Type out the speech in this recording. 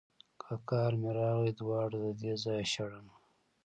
که قار مې راغی دواړه ددې ځايه شړمه.